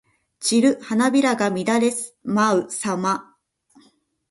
散る花びらが乱れ舞うさま。